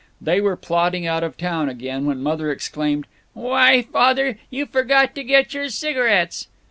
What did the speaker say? They were plodding out of town again when Mother exclaimed, "Why, Father, you forgot to get your cigarettes."